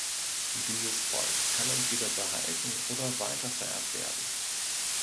Dieses Volk kann entweder behalten oder "weitervererbt" werden.